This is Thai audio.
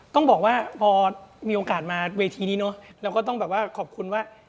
ต้องบอกว่าพอมีโอกาสมาเวทีนี้เนอะเราก็ต้องแบบว่าขอบคุณว่า